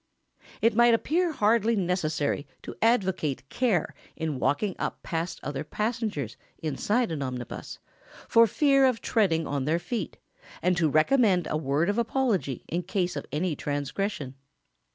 ] It might appear hardly necessary to advocate care in walking up past other passengers inside an omnibus, for fear of treading on their feet, and to recommend a word of apology in case of any such transgression.